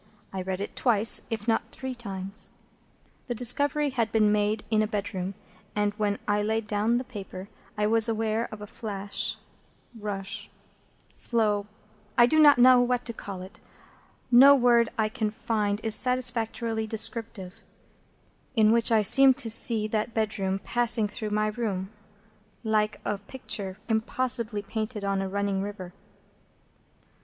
I read it twice, if not three times. The discovery had been made in a bedroom, and, when I laid down the paper, I was aware of a flash—rush—flow—I do not know what to call it,—no word I can find is satisfactorily descriptive,—in which I seemed to see that bedroom passing through my room, like a picture impossibly painted on a running river.